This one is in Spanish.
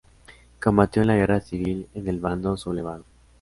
Combatió en la Guerra Civil en el bando sublevado.